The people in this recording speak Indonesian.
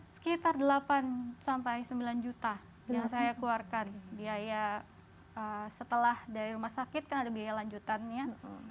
sekitar delapan sampai sembilan juta yang saya keluarkan biaya setelah dari rumah sakit kan ada biaya lanjutannya